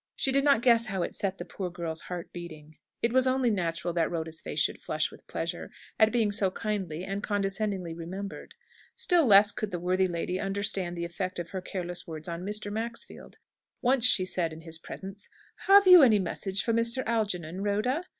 She did not guess how it set the poor girl's heart beating. It was only natural that Rhoda's face should flush with pleasure at being so kindly and condescendingly remembered. Still less could the worthy lady understand the effect of her careless words on Mr. Maxfield. Once she said in his presence, "Have you any message for Mr. Algernon, Rhoda?"